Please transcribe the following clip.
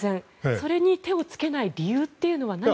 それに手を付けない理由というのは何か。